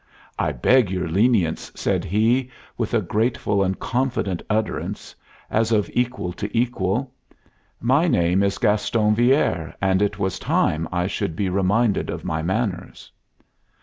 "I beg your lenience," said he, with a graceful and confident utterance, as of equal to equal. "My name is Gaston Villere, and it was time I should be reminded of my manners."